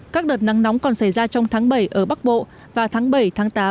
các đợt nắng nóng còn xảy ra trong tháng bảy ở bắc bộ và tháng bảy tháng tám